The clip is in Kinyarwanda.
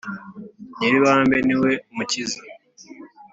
Nyiribambe niwe mukiza.